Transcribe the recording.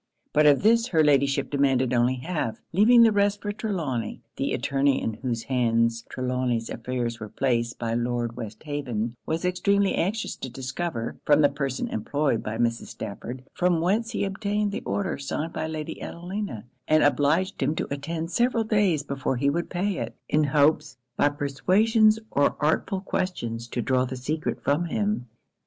But of this her Ladyship demanded only half, leaving the rest for Trelawny. The attorney in whose hands Trelawny's affairs were placed by Lord Westhaven, was extremely anxious to discover, from the person employed by Mrs. Stafford, from whence he obtained the order signed by Lady Adelina; and obliged him to attend several days before he would pay it, in hopes, by persuasions or artful questions, to draw the secret from him.